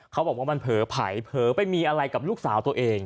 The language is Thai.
เขาบอกว่ามันเผลอไผ่เผลอไปมีอะไรกับลูกสาวตัวเอง